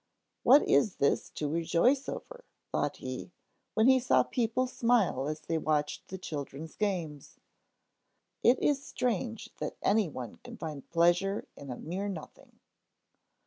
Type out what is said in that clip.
What is this to rejoice over? thought he, when he saw people smile as they watched the children's games. It is strange that any one can find pleasure in a mere nothing.